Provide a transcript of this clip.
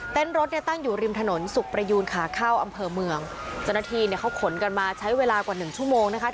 รถเนี่ยตั้งอยู่ริมถนนสุขประยูนขาเข้าอำเภอเมืองเจ้าหน้าที่เนี่ยเขาขนกันมาใช้เวลากว่าหนึ่งชั่วโมงนะคะ